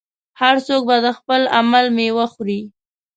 هر څوک به د خپل عمل میوه خوري.